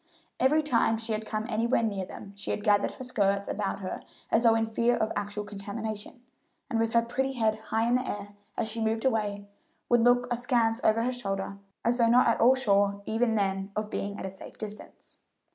Every time she had come anywhere near them she had gathered her skirts about her as though in fear of actual contamination, and with her pretty head high in the air, as she moved away, would look askance over her shoulder as though not at all sure even then of being at a safe distance.